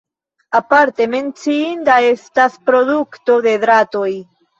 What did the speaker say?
Aparte menciinda estas produkto de dratoj.